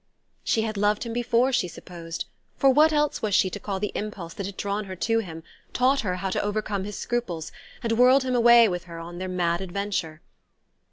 She had loved him before, she supposed; for what else was she to call the impulse that had drawn her to him, taught her how to overcome his scruples, and whirled him away with her on their mad adventure?